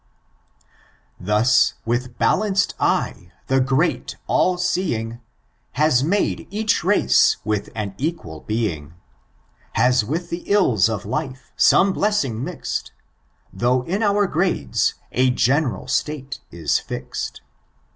Thus, with balanced eye, the great All seeing Has made each race with an eqnal bein^^ Has with the ills of life some blessing miz*d, Thoagh in oar grades a general state is fiz*d.